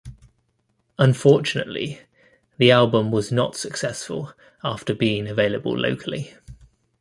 Unfortunately, the album was not successful after being available locally.